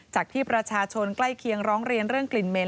จากที่ประชาชนใกล้เคียงร้องเรียนเรื่องกลิ่นเหม็น